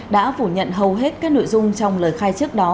đã phủ nhận hầu hết các nội dung trong lời khai trước đó